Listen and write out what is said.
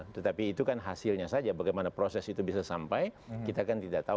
tetapi itu kan hasilnya saja bagaimana proses itu bisa sampai kita kan tidak tahu